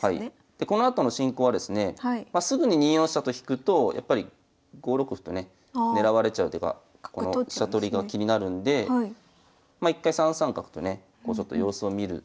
でこのあとの進行はですねすぐに２四飛車と引くと５六歩とね狙われちゃう手がこの飛車取りが気になるんで一回３三角とね様子を見る手が有力なんですが。